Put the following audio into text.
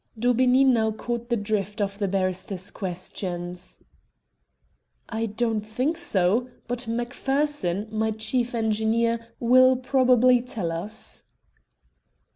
Daubeney now caught the drift of the barrister's questions. "I don't think so, but Macpherson, my chief engineer, will probably tell us."